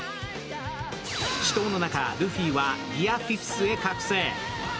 死闘の中、ルフィはギア・フィフスへ覚醒。